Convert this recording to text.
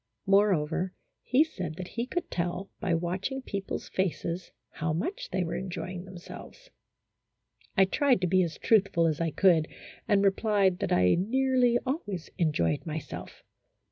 Moreover, he said that he could tell by watching people's faces how much they were enjoying themselves. I tried to be as truthful as I could, and replied that I nearly always enjoyed myself.